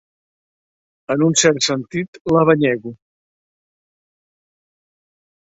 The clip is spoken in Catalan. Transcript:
En un cert sentit, la banyego.